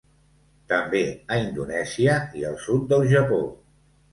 També a Indonèsia i al sud del Japó.